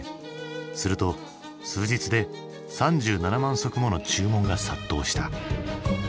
すると数日で３７万足もの注文が殺到した。